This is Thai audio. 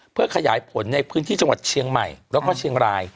เพื่อขยายผลในพื้นที่จังหวัดเชียงใหม่แล้วก็เชียงราย